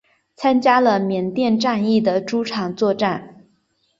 参加了缅甸战役的诸场作战。